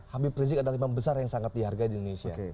habib rizik adalah imam besar yang sangat dihargai di indonesia